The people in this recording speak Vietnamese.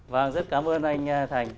vâng rất cảm ơn anh thành